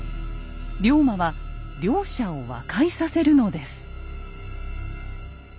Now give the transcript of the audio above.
龍馬は両者を和解させるのです。